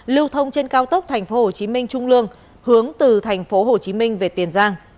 lưu thông trên cao tốc thành phố hồ chí minh trung lương hướng từ thành phố hồ chí minh về tiền giang